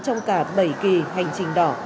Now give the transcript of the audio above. trong cả bảy kỳ hành trình đỏ